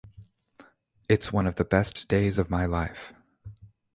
It's one of the best days of my life.